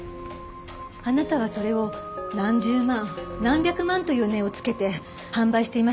あなたはそれを何十万何百万という値を付けて販売していましたね。